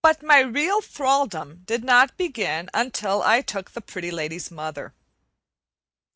But my real thraldom did not begin until I took the Pretty Lady's mother.